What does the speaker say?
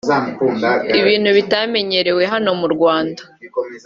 ibintu bitamenyerewe hano mu Rwanda